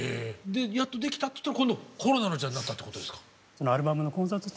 やっと出来たっていったら今度コロナの時代になったってことですか？